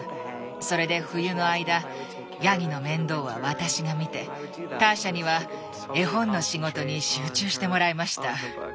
それで冬の間ヤギの面倒は私が見てターシャには絵本の仕事に集中してもらいました。